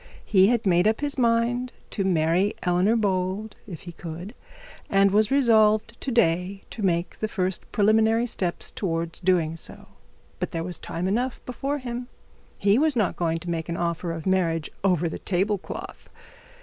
He had made up his mind to marry Eleanor Bold if he could, and was resolved to day to take the first preliminary step towards doing so. But there was time enough before him. He was not going to make an offer of marriage over the table cloth.